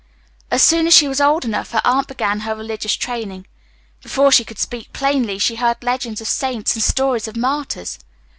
As soon as she was old enough her aunt began her religious training. Before she could speak plainly she heard legends of saints and stories of martyrs.